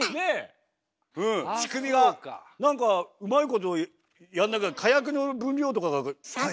仕組みが何かうまいことやんなきゃ火薬の分量とかが変化してんのかな。